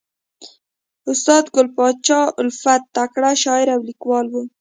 استاد ګل پاچا الفت تکړه شاعر او لیکوال ؤ.